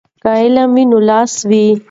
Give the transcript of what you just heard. که علم وي نو لاس وي.